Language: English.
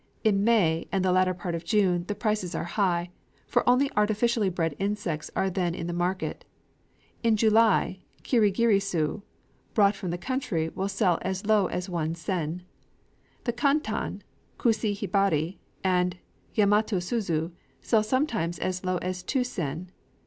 In May and the latter part of June the prices are high, for only artificially bred insects are then in the market. In July kirigirisu brought from the country will sell as low as one sen. The kantan, kusa hibari, and Yamato suzu sell sometimes as low as two sen.